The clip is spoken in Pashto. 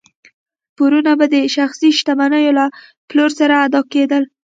پورونه به د شخصي شتمنیو له پلور سره ادا کېدل.